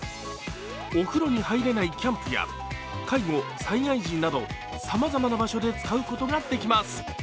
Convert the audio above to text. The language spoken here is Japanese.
お風呂に入れないキャンプや介護、災害時などさまざまな場所で使うことができます。